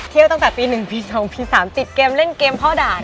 เที่ยวตั้งแต่ปี๑ปี๒ปี๓ติดเกมเล่นเกมเพราะด่าเนี่ย